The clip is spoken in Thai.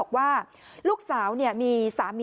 กลุ่มตัวเชียงใหม่